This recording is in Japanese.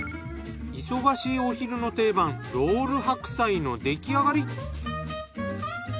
忙しいお昼の定番ロール白菜の出来上がり。